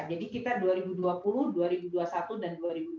jadi kita dua ribu dua puluh dua ribu dua puluh satu dan dua ribu dua puluh dua